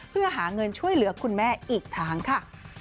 เพื่อหาเงินช่วยเหลือคุณแม่อีกทางค่ะ